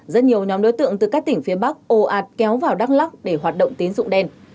rất nhiều nhóm đối tượng từ các tỉnh phía bắc ồ ạt kéo vào đắk lắc để hoạt động tín dụng đen